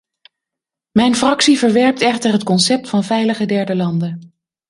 Mijn fractie verwerpt echter het concept van veilige derde landen.